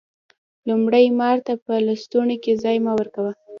لومړی: مار ته په لستوڼي کی ځای مه ورکوه